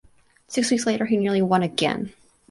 Six weeks later he nearly won again.